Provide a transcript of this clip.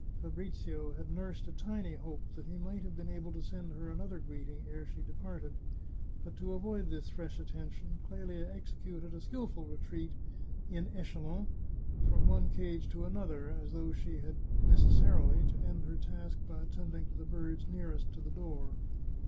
" Fabrizio had nursed a tiny hope that he might have been able to send her another greeting ere she departed, but to avoid this fresh attention, Clelia executed a skilful retreat in echelon from one cage to another, as though she had necessarily to end her task by attending to the birds near est to the door.